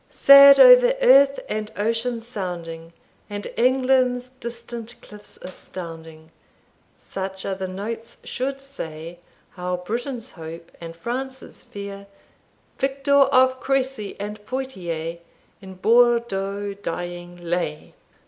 "Sad over earth and ocean sounding. And England's distant cliffs astounding. Such are the notes should say How Britain's hope, and France's fear, Victor of Cressy and Poitier, In Bordeaux dying lay."